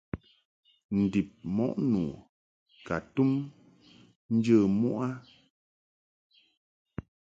Ndib mɔʼ nu ka tum njə muʼ a.